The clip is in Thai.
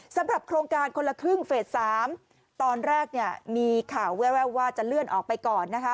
สำหรับโครงการคนละครึ่งเฟส๓ตอนแรกเนี่ยมีข่าวแววว่าจะเลื่อนออกไปก่อนนะคะ